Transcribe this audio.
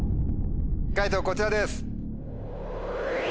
解答こちらです。